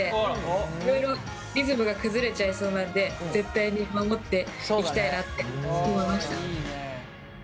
いろいろリズムが崩れちゃいそうなんで絶対に守っていきたいなって思いました。